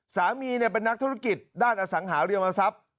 สามีเป็นนักธุรกิจด้านอสังหาริมทรัพย์